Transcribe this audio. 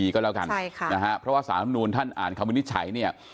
ก็แล้วกันใช่ค่ะนะฮะเพราะว่าสารธรรมนูลท่านอ่านคำวินิจฉัยเนี่ย